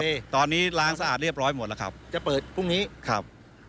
ตอนนี้ล้างสะอาดเรียบร้อยหมดแล้วครับจะเปิดพรุ่งนี้ครับ